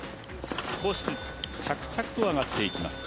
少しずつ着々と上がっていきます